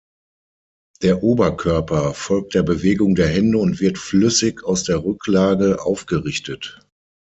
Der Oberkörper folgt der Bewegung der Hände und wird flüssig aus der Rücklage aufgerichtet.